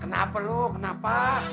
kenapa lu kenapa